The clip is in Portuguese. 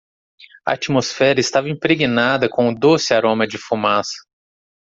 A atmosfera estava impregnada com o doce aroma de fumaça.